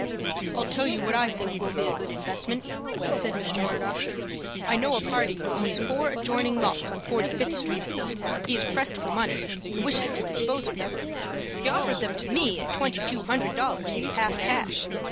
"I'll tell you what I think will be a good investment," said Mr. Murdock. "I know a party who owns four adjoining lots on Forty Fifth Street. He is pressed for money, and wishes to dispose of them. He offered them to me at twenty two hundred dollars, half cash.